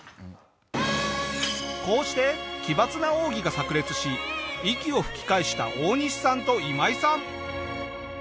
こうして奇抜な奥義が炸裂し息を吹き返したオオニシさんとイマイさん。